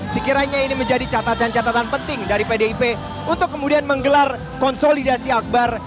sekiranya ini menjadi catatan catatan penting dari pdip untuk kemudian menggelar konsolidasi akbar